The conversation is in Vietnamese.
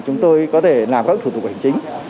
chúng tôi có thể làm các thủ tục hành chính